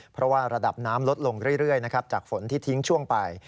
เพราะว่าระดับน้ำลดลงเรื่อยนะครับจากฝนที่ทิ้งช่วงไป